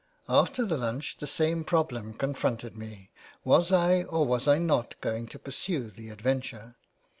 After lunch the same problem confronted me : Was I or was I not going to pursue the adventure